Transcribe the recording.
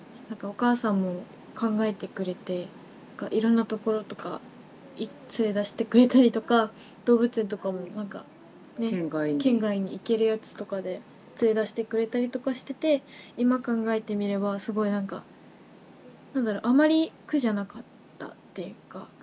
なんかお母さんも考えてくれていろんなところとか連れ出してくれたりとか動物園とかもなんかね県外に行けるやつとかで連れ出してくれたりとかしてて今考えてみればすごいなんかあまり苦じゃなかったっていうか。